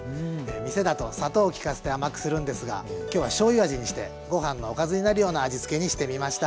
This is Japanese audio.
店だと砂糖を利かせて甘くするんですが今日はしょうゆ味にしてご飯のおかずになるような味つけにしてみました。